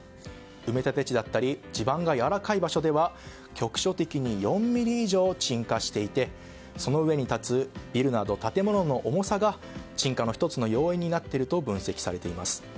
埋め立て地だったり地盤がやわらかい場所では局所的に４ｍｍ以上沈下していてその上に立つビルなど建物の重さが沈下の１つの要因になっていると分析されています。